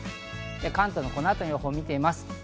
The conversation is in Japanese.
関東のこの後の予報を見てみます。